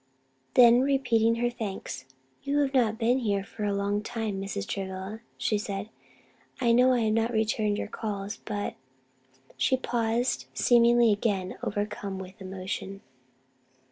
Then repeating her thanks, "You have not been here for a long time, Mrs. Travilla," she said, "I know I have not returned your calls, but " she paused seemingly again overcome with emotion.